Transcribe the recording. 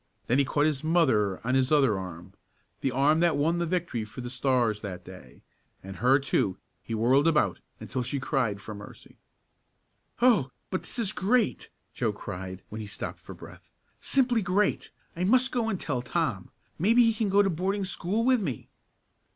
Then he caught his mother on his other arm the arm that won the victory for the Stars that day and her, too, he whirled about until she cried for mercy. "Oh, but this is great!" Joe cried when he stopped for breath. "Simply great! I must go and tell Tom. Maybe he can go to boarding school with me."